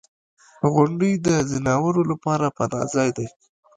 • غونډۍ د ځناورو لپاره پناه ځای دی.